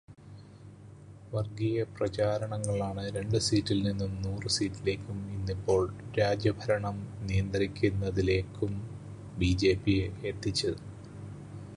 മറയില്ലാത്ത ഈ വര്ഗീയപ്രചാരണങ്ങളാണ് രണ്ടു സീറ്റില് നിന്നു നൂറു സീറ്റിലേക്കും ഇന്നിപ്പോള് രാജ്യഭരണം നിയന്ത്രിക്കുന്നതിലേക്കും ബിജെപിയെ എത്തിച്ചത്.